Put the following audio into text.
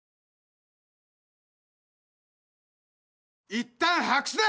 いったん白紙だ！